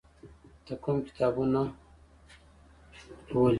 ته کوم کتابونه ولې؟